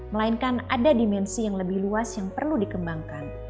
melainkan ada dimensi yang lebih luas yang perlu dikembangkan